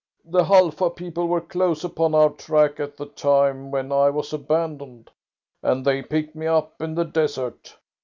"The Halfa people were close upon our track at the time when I was abandoned, and they picked me up in the desert.